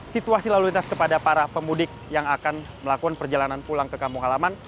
situasi laluanitas kepada para pemudik yang akan melakukan perjalanan pulang ke kamuhalaman